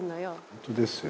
「本当ですよ」